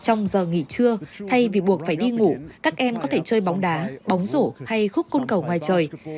trong giờ nghỉ trưa thay vì buộc phải đi ngủ các em có thể chơi bóng đá bóng rổ hay khúc côn cầu ngoài trời